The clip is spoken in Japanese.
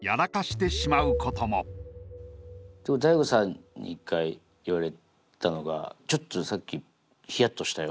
でも大悟さんに一回言われたのが「ちょっとさっきヒヤッとしたよ」みたいな。